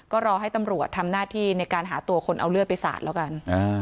ก็รอให้ตำรวจทำหน้าที่ในการหาตัวคนเอาเลือดไปสาดแล้วกัน